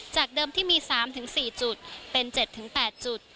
จากเดิมที่มี๓๔จุดเป็น๗๘จุด